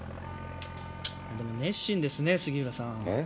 でも熱心ですね杉浦さん。え？